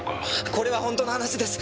これは本当の話です。